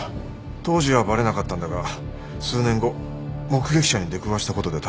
当時はバレなかったんだが数年後目撃者に出くわしたことで逮捕された。